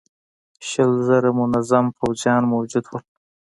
شل زره منظم پوځيان موجود ول.